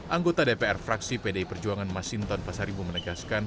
anggota dpr fraksi pdi perjuangan masinton pasaribu menegaskan